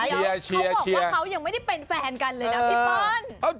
เขาบอกว่าเขายังไม่ได้เป็นแฟนกันเลยนะพี่เปิ้ล